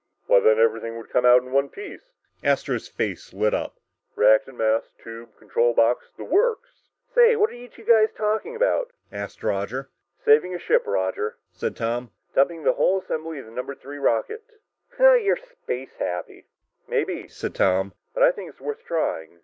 "Why, then everything would come out in one piece!" Astro's face lit up. "Reactant mass, tube, control box the works!" "Say, what are you two guys talking about?" asked Roger. "Saving a ship, Roger," said Tom. "Dumping the whole assembly of the number three rocket!" "Ah you're space happy!" "Maybe," said Tom, "but I think it's worth trying.